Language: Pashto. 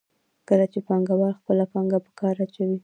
کله چې پانګوال خپله پانګه په کار اچوي